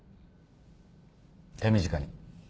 手短に。